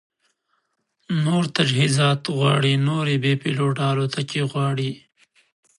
نور تجهیزات غواړي، نورې بې پیلوټه الوتکې غواړي